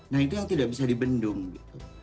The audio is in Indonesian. nah itu yang tidak bisa dibendung gitu